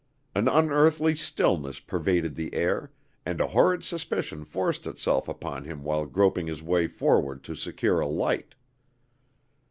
An unearthly stillness pervaded the air, and a horrid suspicion forced itself upon him while groping his way forward to secure a light.